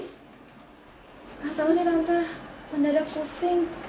gak tau nih tante mendadak pusing